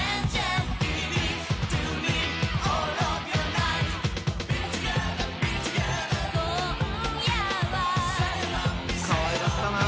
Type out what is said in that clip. かわいかったな。